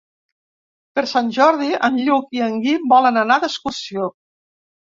Per Sant Jordi en Lluc i en Guim volen anar d'excursió.